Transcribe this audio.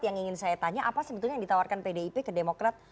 yang ingin saya tanya apa sebetulnya yang ditawarkan pdip ke demokrat